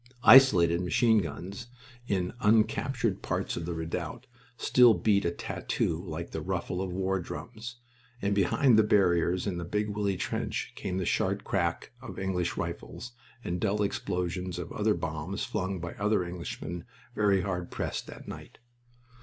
Isolated machine guns in uncaptured parts of the redoubt still beat a tattoo like the ruffle of war drums, and from behind the barriers in the Big Willie trench came the sharp crack of English rifles, and dull explosions of other bombs flung by other Englishmen very hard pressed that night.